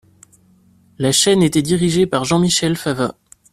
La chaîne était dirigée par Jean-Michel Fava.